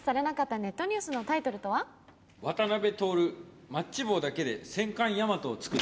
「渡辺徹マッチ棒だけで戦艦ヤマトを作る」。